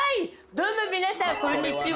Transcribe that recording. どうも皆さんこんにちは」